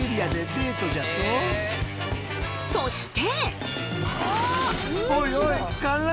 そして！